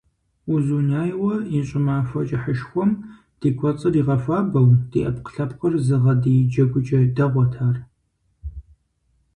Узуняйла и щӀымахуэ кӀыхьышхуэм ди кӀуэцӀыр игъэхуабэу, ди Ӏэпкълъэпкъыр зыгъэдий джэгукӀэ дэгъуэт ар.